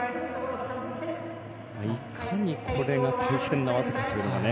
いかにこれが大変な技かというのがね。